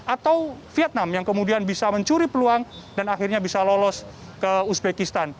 atau vietnam yang kemudian bisa mencuri peluang dan akhirnya bisa lolos ke uzbekistan